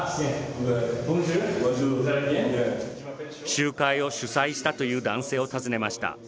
集会を主催したという男性を訪ねました。